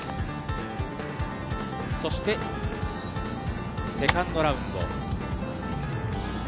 そしてセカンドラウンド。